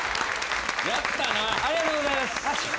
ありがとうございます。